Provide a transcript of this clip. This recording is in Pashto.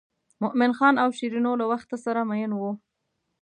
مومن خان او شیرینو له وخته سره مئین وو.